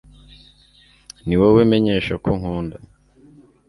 Ni wowe menyesha ko nkunda